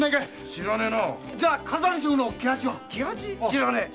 知らねえ。